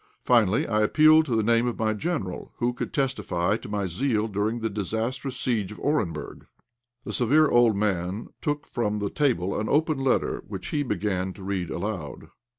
Finally I appealed to the name of my General, who could testify to my zeal during the disastrous siege of Orenburg. The severe old man took from the table an open letter, which he began to read aloud.